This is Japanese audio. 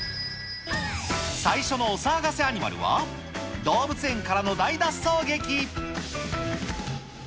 最初のお騒がせアニマルは、動物園からの大脱走劇。